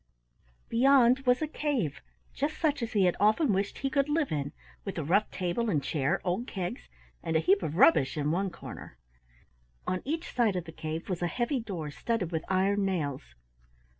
Beyond was a cave, just such as he had often wished he could live in, with a rough table and chair, old kegs, and a heap of rubbish in one corner. On each side of the cave was a heavy door studded with iron nails.